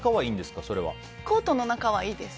コートの中はいいです。